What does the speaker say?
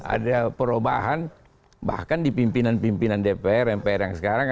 ada perubahan bahkan di pimpinan pimpinan dpr mpr yang sekarang